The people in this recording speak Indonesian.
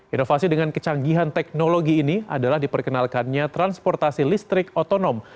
inovasi dengan kecanggihan teknologi ini adalah diperkenalkannya transportasi listrik otonom